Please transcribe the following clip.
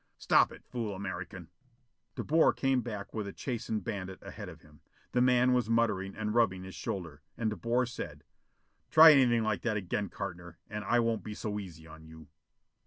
"Stop it, fool American!" De Boer came back with a chastened bandit ahead of him. The man was muttering and rubbing his shoulder, and De Boer said: "Try anything like that again, Cartner, and I won't be so easy on you."